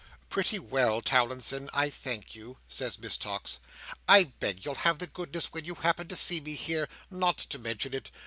"Pretty well, Towlinson, I thank you," says Miss Tox. "I beg you'll have the goodness, when you happen to see me here, not to mention it.